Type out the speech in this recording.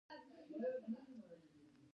ماشوم خپل کتابونه په میز کېښودل.